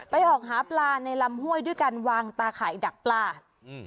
ออกหาปลาในลำห้วยด้วยการวางตาไข่ดักปลาอืม